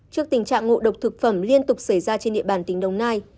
trước tình trạng ngộ độc thực phẩm liên tục xảy ra trên địa bàn tỉnh đồng nai